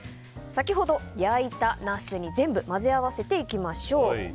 先ほど焼いたナスに全部混ぜ合わせていきましょう。